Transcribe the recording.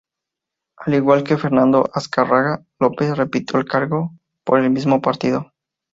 Al igual que Fernando Azcárraga López, repitió el cargo por el mismo partido.